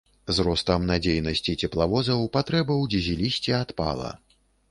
З ростам надзейнасці цеплавозаў патрэба ў дызелісце адпала.